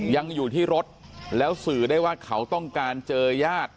ยังอยู่ที่รถแล้วสื่อได้ว่าเขาต้องการเจอญาติ